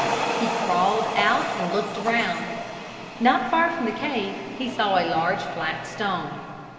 He crawled out and looked around. Not far from the cave he saw a large flat stone.